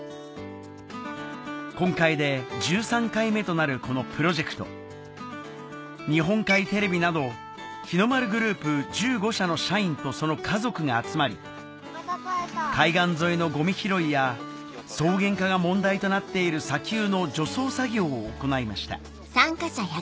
今回で１３回目となるこのプロジェクト日本海テレビなど日ノ丸グループ１５社の社員とその家族が集まり海岸沿いのゴミ拾いや草原化が問題となっている砂丘の除草作業を行いました